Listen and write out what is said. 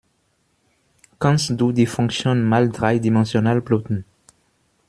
Kannst du die Funktion mal dreidimensional plotten?